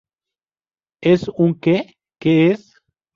¿ Es un qué? ¿ qué es?